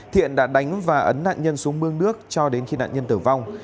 thiện đã đánh và ấn nạn nhân xuống mương nước cho đến khi nạn nhân tử vong